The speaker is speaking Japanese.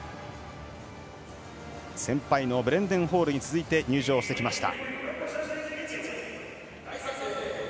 先輩のブレンデン・ホールに続いて入場してきました。